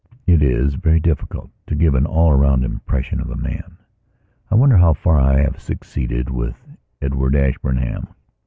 IV IT is very difficult to give an all round impression of a man. I wonder how far I have succeeded with Edward Ashburnham.